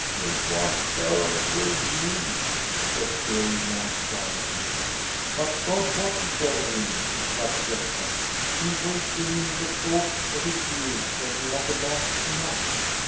" It was so with me," says the old man quietly. "But God watches over him," interrupts Gosta. " He wakes in him the thoughts of his youth when he has amassed enough.